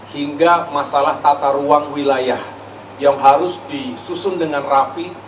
hingga masalah tata ruang wilayah yang harus disusun dengan rapi